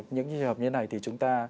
những trường hợp như thế này thì chúng ta